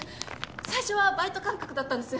最初はバイト感覚だったんです。